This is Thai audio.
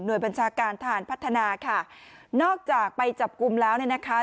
โดยบัญชาการทหารพัฒนาค่ะนอกจากไปจับกลุ่มแล้วเนี่ยนะคะ